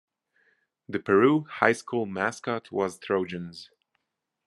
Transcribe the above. The Peru High School mascot was Trojans.